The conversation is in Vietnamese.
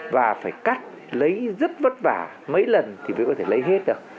và phải cắt lấy rất vất vả mấy lần thì mới có thể lấy hết được